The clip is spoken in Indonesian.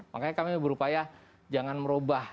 makanya kami berupaya jangan merubah